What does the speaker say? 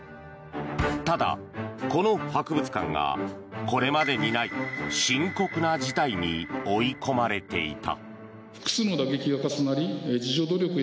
ただ、この博物館がこれまでにない深刻な事態に追い込まれていた。